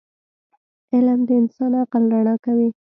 علم د انسان عقل رڼا کوي.